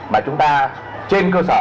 mà chúng ta trên cơ sở